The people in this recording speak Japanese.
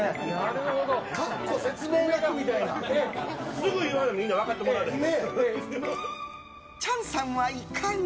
すぐ言わな分かってもらえへん。